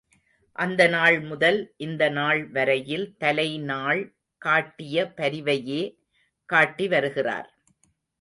அந்த நாள்முதல் இந்த நாள் வரையில் தலை நாள் காட்டிய பரிவையே காட்டி வருகிறார்!